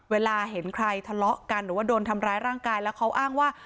เวลาเห็นใครทะเลาะกันหรือว่าโดนทำร้ายร่างกายแล้วเขาอ้างว่า